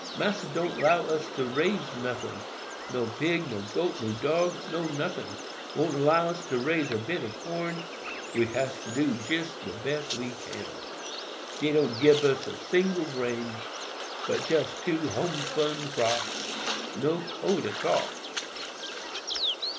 Massa don't 'low us to raise noting; no pig—no goat—no dog—no noting; won't allow us raise a bit of corn. We has to do jist de best we can. Dey don't gib us a single grain but jist two homespun frocks—no coat 't all.